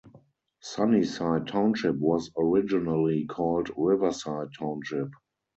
Sunnyside Township was originally called Riverside Township.